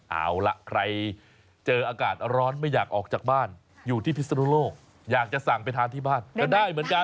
เอาล่ะใครเจออากาศร้อนไม่อยากออกจากบ้านอยู่ที่พิศนุโลกอยากจะสั่งไปทานที่บ้านก็ได้เหมือนกัน